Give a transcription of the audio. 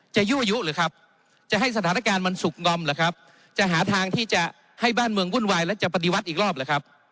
ยั่วยุหรือครับจะให้สถานการณ์มันสุกงอมเหรอครับจะหาทางที่จะให้บ้านเมืองวุ่นวายแล้วจะปฏิวัติอีกรอบหรือครับ